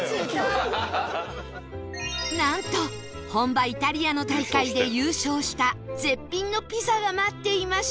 なんと本場イタリアの大会で優勝した絶品のピザが待っていました